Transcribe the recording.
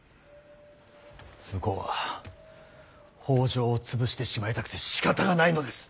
向こうは北条を潰してしまいたくてしかたがないのです。